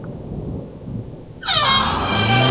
هره ورځ په دې کرونده کي نوي تخمونه کرل کېږي.